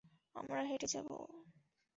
আমরা হেঁটে যাব।